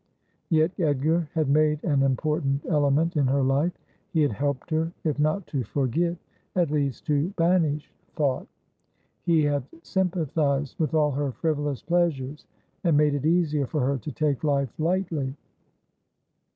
Yet Edgar had made an important ele ment in her life. He had helped her, if not to forget, at least to banish thought. He had sympathised with all her frivolous pleasures, and made it easier for her to take life lightly.